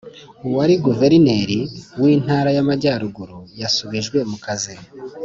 Uwari Guverineli w’intara y’amajyaruguru yasubijwe mu kazi